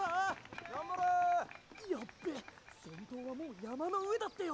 ヤッベ先頭はもう山の上だってよ！